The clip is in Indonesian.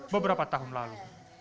beberapa tahun lalu